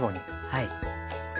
はい。